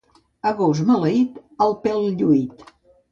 A gos maleït, el pèl lluït.